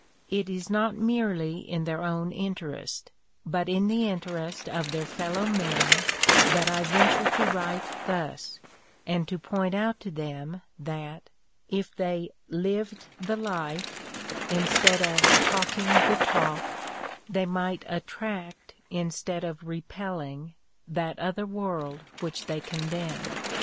It is not merely in their own interest, but in the interest of their fellow men, that I venture to write thus, and to point out to them that, if they "lived the life," instead of talking the talk, they might attract instead of repelling that other world which they condemn.